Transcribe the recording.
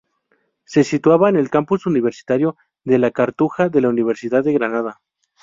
Se situaba en el Campus Universitario de La Cartuja de la Universidad de Granada.